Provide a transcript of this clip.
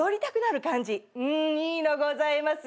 いいのございます。